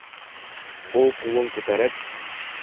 Ул ҡулын күтәреп: